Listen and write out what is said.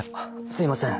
すいません！